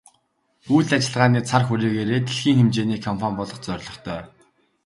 Үйл ажиллагааны цар хүрээгээрээ дэлхийн хэмжээний компани болох зорилготой.